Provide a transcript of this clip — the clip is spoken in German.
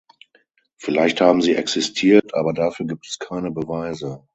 Vielleicht haben sie existiert, aber dafür gibt es keine Beweise.